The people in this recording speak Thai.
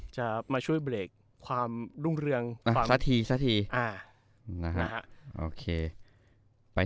จะมาช่วยเบรกความรุ่งเรืองอ่าสักทีสักทีอ่านะฮะโอเคไปที่